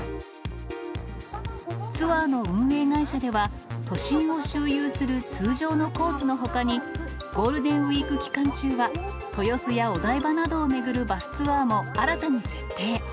ツアーの運営会社では、都心を周遊する通常のコースのほかに、ゴールデンウィーク期間中は、豊洲やお台場などを巡るバスツアーも新たに設定。